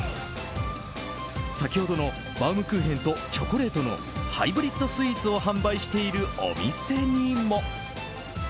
先ほどのバウムクーヘンとチョコレートのハイブリッドスイーツを販売しているお店にも。